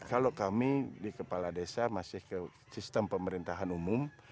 kalau kami di kepala desa masih ke sistem pemerintahan umum